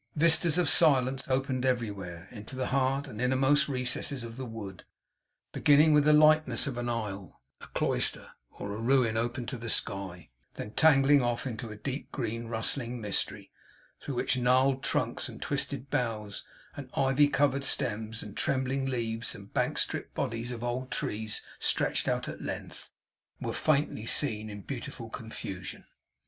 Vistas of silence opened everywhere, into the heart and innermost recesses of the wood; beginning with the likeness of an aisle, a cloister, or a ruin open to the sky; then tangling off into a deep green rustling mystery, through which gnarled trunks, and twisted boughs, and ivy covered stems, and trembling leaves, and bark stripped bodies of old trees stretched out at length, were faintly seen in beautiful confusion.